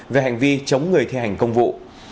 về hành vi chống người thi hành công vụ